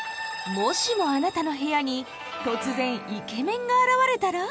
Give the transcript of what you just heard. もしもあなたの部屋に突然イケメンが現れたら？